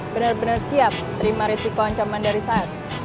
bener bener siap terima resiko ancaman dari saya